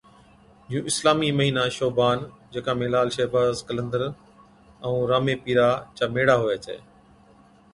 جُون اسلامي مھِينا شعبان، جڪا ۾ لعل شھباز قلندر ائُون رامي پيرا چا ميڙا ھُوي ڇَي